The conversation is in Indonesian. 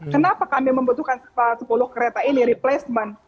kenapa kami membutuhkan sepuluh kereta ini replacement